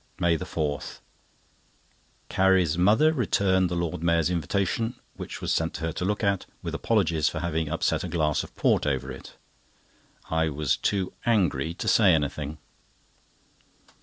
MAY 4.—Carrie's mother returned the Lord Mayor's invitation, which was sent to her to look at, with apologies for having upset a glass of port over it. I was too angry to say anything.